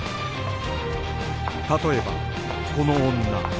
例えばこの女